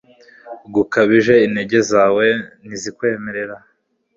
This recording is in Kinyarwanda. gukabije Intege zawe ntizikwemerera